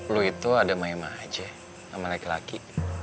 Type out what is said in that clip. lu itu ada mayama aja sama laki laki